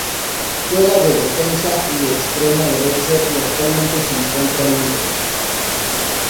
Juega de defensa y extremo derecho y actualmente se encuentra libre.